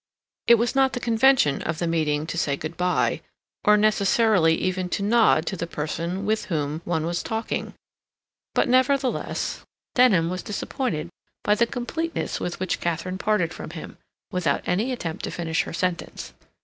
It was not the convention of the meeting to say good bye, or necessarily even to nod to the person with whom one was talking; but, nevertheless, Denham was disappointed by the completeness with which Katharine parted from him, without any attempt to finish her sentence.